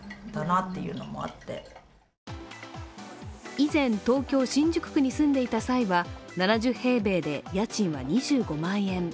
以前、東京・新宿区に住んでいた際は７０平米で家賃は２５万円。